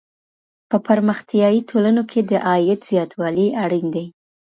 په پرمختیايي ټولنو کي د عاید زیاتوالی اړین دی.